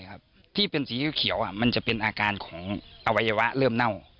ครับที่เป็นสีเขียวมันจะเป็นอาการของอวัยวะเริ่มเน่า